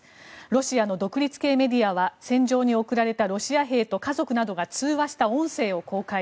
ロシアの独立系メディアは戦場に送られたロシア兵と家族などが通話した音声を公開。